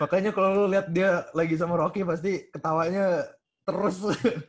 makanya kalau lu lihat dia lagi sama rocky pasti ketawanya terus